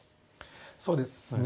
そうですね。